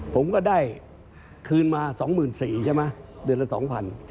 ผมก็ได้คืนมา๒๔๐๐ใช่ไหมเดือนละ๒๐๐บาท